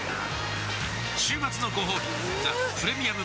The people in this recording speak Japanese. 週末のごほうび「ザ・プレミアム・モルツ」